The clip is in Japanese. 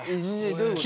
どういうこと？